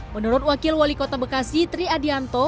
menurut wakil wali kota bekasi tri adianto